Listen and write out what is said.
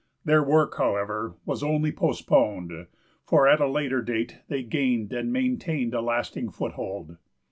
Their work, however, was only postponed, for at a later date they gained and maintained a lasting foothold.